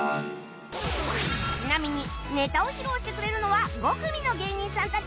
ちなみにネタを披露してくれるのは５組の芸人さんたち